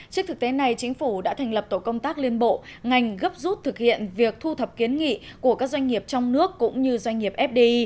trước thực tế này chính phủ đã thành lập tổ công tác liên bộ ngành gấp rút thực hiện việc thu thập kiến nghị của các doanh nghiệp trong nước cũng như doanh nghiệp fdi